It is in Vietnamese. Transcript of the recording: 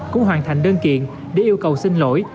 cũng hoàn thành đơn kiện để yêu cầu xin lỗi